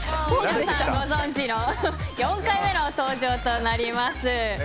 皆さんご存じの４回目の登場となります。